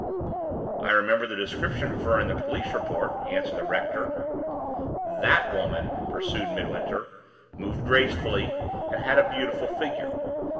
"I remember the description of her in the police report," answered the rector. "That woman," pursued Midwinter, "moved gracefully, and had a beautiful figure.